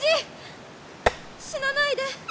死なないで。